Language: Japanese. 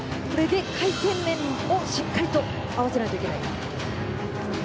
回転面もしっかりと合わせないといけない。